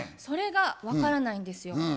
それが分からないんですよ。